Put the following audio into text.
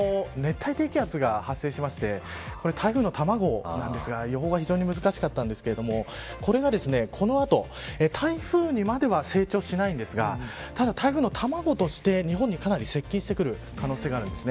週末、熱帯低気圧が発生しまして台風の卵なんですが予報が非常に難しかったんですがこれがこの後、台風にまでは成長しないんですがただ台風の卵として日本にかなり接近してくる可能性があります。